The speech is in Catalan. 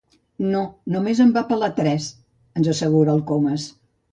No, només en va pelar tres —ens assegura el Comas—.